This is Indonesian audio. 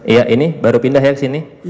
iya ini baru pindah ya ke sini